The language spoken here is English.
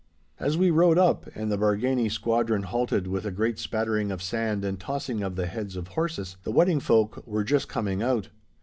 As we rode up, and the Bargany squadron halted with a great spattering of sand and tossing of the heads of horses, the wedding folk were just coming out.